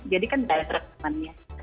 jadi kan daya rekamannya